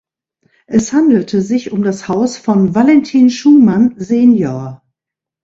Es handelte sich um das Haus von Valentin Schumann senior.